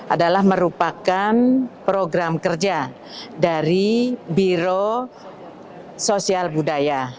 adalah merupakan program kerja dari biro sosial budaya